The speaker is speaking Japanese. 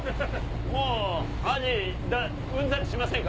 もうアジうんざりしませんか？